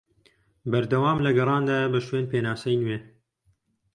بەردەوام لە گەڕاندایە بە شوێن پێناسەی نوێ